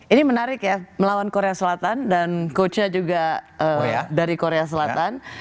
ini menarik ya melawan korea selatan dan coachnya juga dari korea selatan